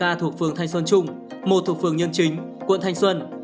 có một mươi hai ca thuộc phường thanh xuân trung một thuộc phường nhân chính quận thanh xuân